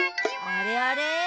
あれあれ？